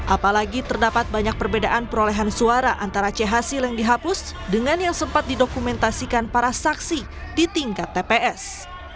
apalagi terdapat banyak perbedaan perolehan suara antara chasil yang dihapus dengan yang sempat didokumentasikan para saksi di tingkat tps